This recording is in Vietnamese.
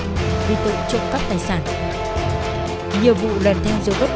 nhiều vụ lần theo dõi tốt của trịnh minh trung là cả một quá trình vô cùng vất vả